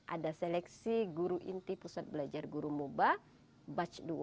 ada seleksi guru inti pusat belajar guru moba batch dua